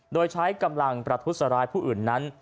โดยใช้กำลังประทุษร้ายผู้อื่นนั้น